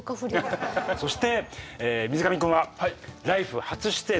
そして水上君は「ＬＩＦＥ！」初出演で。